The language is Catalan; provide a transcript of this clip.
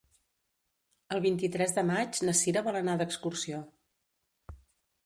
El vint-i-tres de maig na Sira vol anar d'excursió.